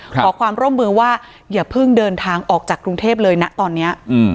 ขอความร่วมมือว่าอย่าเพิ่งเดินทางออกจากกรุงเทพเลยนะตอนนี้